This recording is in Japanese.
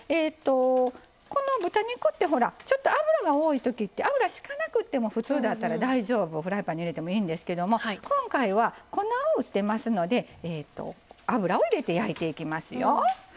豚肉ってほらちょっと脂が多いときって油しかなくっても普通だったら大丈夫フライパンに入れてもいいんですけども今回は粉を打ってますので油を入れて焼いていきますよ。